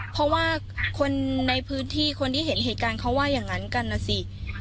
เพราะว่าคนในพื้นที่คนที่เห็นเหตุการณ์เขาว่าอย่างนั้นกันนะสิ